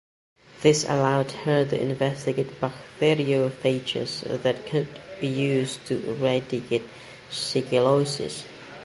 This allowed her to investigate bacteriophages that could be used to eradicate Shigellosis.